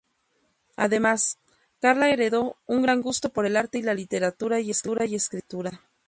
Además, Carla heredó un gran gusto por el arte y la literatura y escritura.